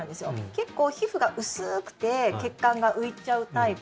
結構、皮膚が薄くて血管が浮いちゃうタイプ